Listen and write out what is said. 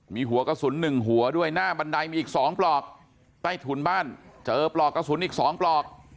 มีหัวกระสุน๑หัวด้วยหน้าบันไดมีอีก๒ปลอกใต้ถุนบ้านเจอปลอกกระสุนอีก๒ปลอก